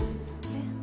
えっ？